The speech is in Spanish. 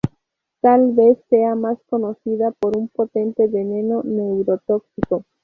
Tal vez sea más conocida por un potente veneno neurotóxico.